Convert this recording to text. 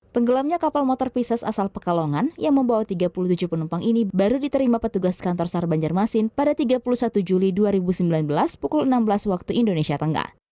tenggelamnya kapal motor pisau asal pekalongan yang membawa tiga puluh tujuh penumpang ini baru diterima petugas kantor sar banjarmasin pada tiga puluh satu juli dua ribu sembilan belas pukul enam belas waktu indonesia tengah